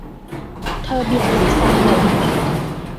เธอเบี่ยงศีรษะหลบ